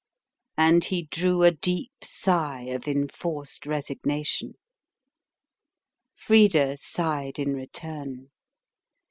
And he drew a deep sigh of enforced resignation. Frida sighed in return.